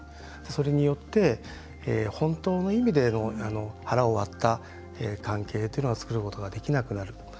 それによって本当の意味での腹を割った関係というのは作ることができなくなる。